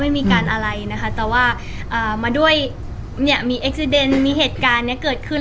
ไม่มีการอะไรนะคะแต่ว่าอ่ามาด้วยเนี้ยมีมีเหตุการณ์เนี้ยเกิดขึ้น